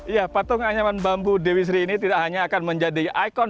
iya patung anyaman bambu dewi sri ini tidak hanya akan menjadi ikon